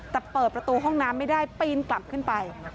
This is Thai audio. แต่เปิดประตูห้องน้ำไม่ได้ปีนกลับขึ้นไป